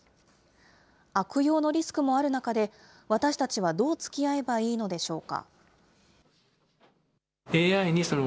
悪用のリスクもある中で、私たちはどうつきあえばいいのでしょうか。